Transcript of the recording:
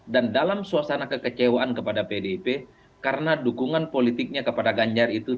dan dalam suasana kekecewaan kepada pdip karena dukungan politiknya kepada ganjar itu